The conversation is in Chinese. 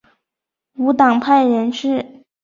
无党派人士。